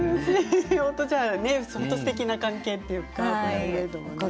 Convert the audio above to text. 本当にすてきな関係というか。